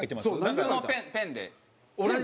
普通のペンペンで。